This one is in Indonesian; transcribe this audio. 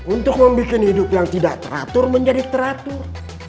untuk membuat hidup yang tidak teratur menjadi teratur